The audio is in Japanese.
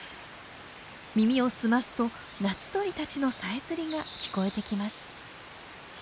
耳を澄ますと夏鳥たちのさえずりが聞こえてきます。